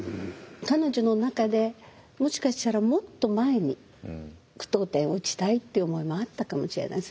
彼女の中でもしかしたらもっと前に句読点を打ちたいって思いもあったかもしれない。